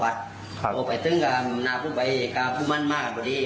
ซึ่งอะพรึ่งมันมากก็ดี